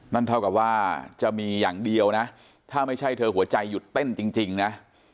นั่นเท่ากับว่าจะมีอย่างเดียวนะถ้าไม่ใช่เธอหัวใจหยุดเต้นจริงนะ